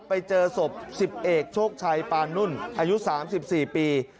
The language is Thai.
ไปเจอศพสิบเอกโชคชัยปานนุ่นอายุสามสิบสี่ปี